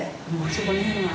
そこの辺は。